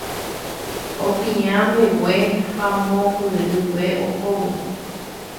Opiã mbegue ha mombyryve ohóvo.